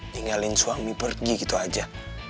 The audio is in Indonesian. tinggalin suami pergi gitu aja